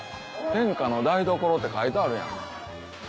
「天下の台所」って書いてあるやん。